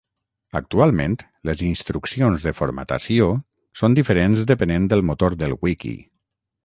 Actualment les instruccions de formatació són diferents depenent del motor del wiki.